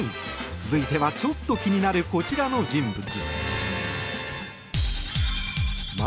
続いてはちょっと気になるこちらの人物。